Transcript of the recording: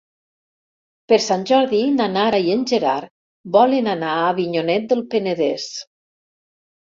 Per Sant Jordi na Nara i en Gerard volen anar a Avinyonet del Penedès.